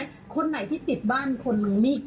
เห็นไหมคนไหนที่ติดบ้านคนหนึ่ง